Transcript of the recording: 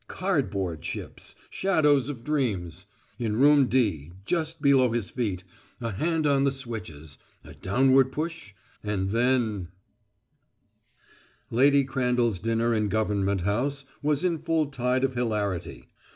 Cardboard ships! Shadows of dreams! In Room D, just below his feet, a hand on the switches a downward push, and then Lady Crandall's dinner in Government House was in full tide of hilarity.